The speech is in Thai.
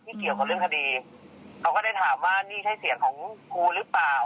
เกี่ยวกับเรื่องคดีเขาก็ได้ถามว่านี่ใช่เสียงของครูหรือเปล่า